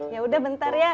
yaudah bentar ya